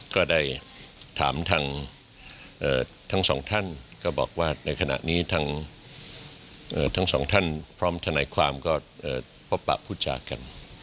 ก็ได้ถามทางทั้งสองท่านก็บอกว่าในขณะนี้ทางทั้งสองท่านพร้อมทนายความก็พบปะพูดจากัน